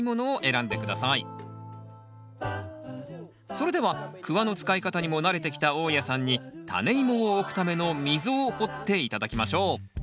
それではクワの使い方にも慣れてきた大家さんにタネイモを置くための溝を掘って頂きましょう